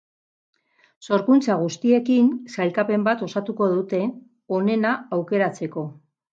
Sorkuntza guztiekin sailkapen bat osatuko dute, onena aukeratzeko.